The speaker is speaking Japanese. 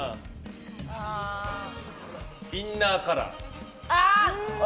インナーカラー。